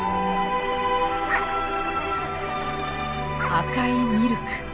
赤いミルク。